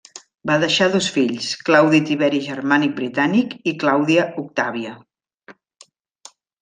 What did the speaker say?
Va deixar dos fills, Claudi Tiberi Germànic Britànic i Clàudia Octàvia.